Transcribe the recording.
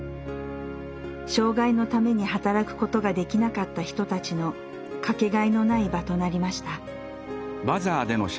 障害のために働くことができなかった人たちの掛けがえのない場となりました。